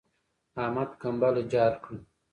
احمد کمبله جار کړه.